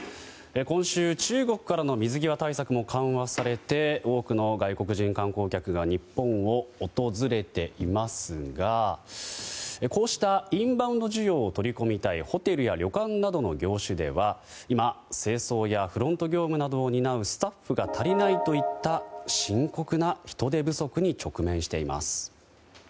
今週、中国からの水際対策も緩和されて多くの外国人観光客が日本を訪れていますがこうしたインバウンド需要を取り込みたいホテルや旅館などの業種では今、清掃やフロント業務などを担うスタッフが足りないといった深刻な人手不足に直面しています。